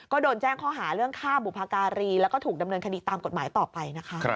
ก็โดนแจ้งข้อหาเรื่องฆ่าบุพการีแล้วก็ถูกดำเนินคดีตามกฎหมายต่อไปนะคะ